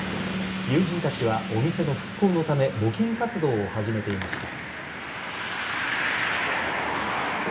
友人たちは、お店の復興のため募金活動を始めていました。